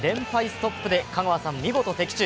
ストップで香川さん、見事的中。